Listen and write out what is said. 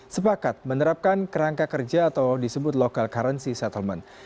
sepakat menerapkan kerangka kerja atau disebut local currency settlement